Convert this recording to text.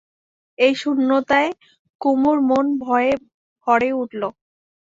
এই শূন্যতায় কুমুর মন ভয়ে ভরে উঠল।